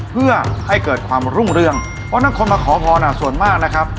เพื่อให้เกิดความรุ่งเรืองเพราะฉะนั้นคนมาขอพรส่วนมากนะครับ